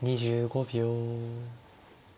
２５秒。